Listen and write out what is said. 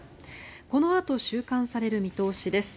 このあと収監される見通しです。